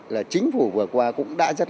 là chính phủ vừa qua cũng đã rất